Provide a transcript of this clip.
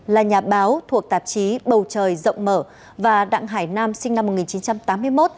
là nhà báo thuộc tạp chí bầu trời rộng mở và đặng hải nam sinh năm một nghìn chín trăm tám mươi một